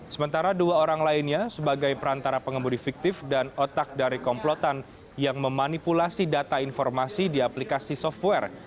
sementara dua orang lainnya sebagai perantara pengemudi fiktif dan otak dari komplotan yang memanipulasi data informasi di aplikasi software